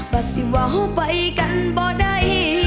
แต่ว่าเขาไปกันบ่ใด